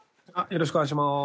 よろしくお願いします。